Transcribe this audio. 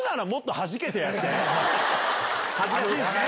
恥ずかしいんすね。